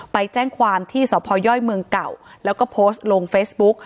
ไปแจ้งความที่สพย่อยเมืองเก่าแล้วก็โพสต์ลงเฟซบุ๊ก